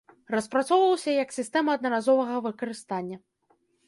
Распрацоўваўся як сістэма аднаразовага выкарыстання.